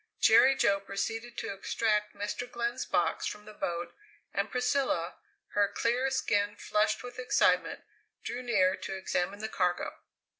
Jerry Jo proceeded to extract Mr. Glenn's box from the boat, and Priscilla, her clear skin flushed with excitement, drew near to examine the cargo.